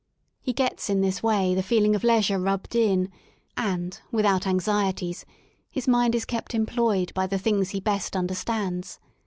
— He gets in this way the feeling of leisure rubbed in" and, without anxieties, his mind is kept employed by the things he best under stands.